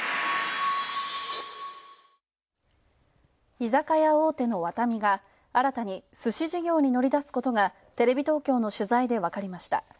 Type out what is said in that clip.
居酒屋大手のワタミが新たに、すし事業に乗り出すことがテレビ東京の取材で分かりました。